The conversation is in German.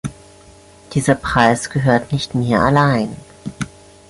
Dieser Preis gehört nicht mir allein!